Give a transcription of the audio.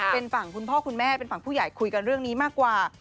เป็นฝั่งคุณพ่อคุณแม่เป็นฝั่งผู้ใหญ่คุยกันเรื่องนี้มากกว่า